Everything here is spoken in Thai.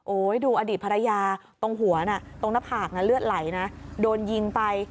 ดูอดีตภรรยาตรงหัวน่ะตรงหน้าผากเลือดไหลนะโดนยิงไป